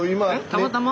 たまたま？